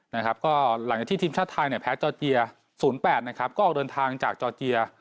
ก็หลังจากที่ทีมชาติไทยแพ้จอร์เจีย๐๘ก็ออกเดินทางจากจอร์เจีย